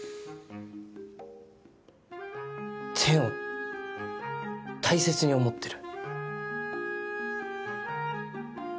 てんを大切に思ってる。